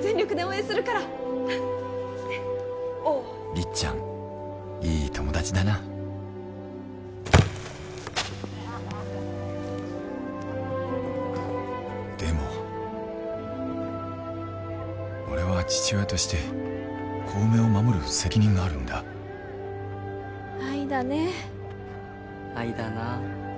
全力で応援するからおうりっちゃんいい友達だなでも俺は父親として小梅を守る責任があるんだ愛だね愛だな